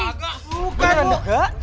enggak enggak bu